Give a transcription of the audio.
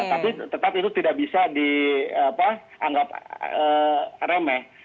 tapi tetap itu tidak bisa dianggap remeh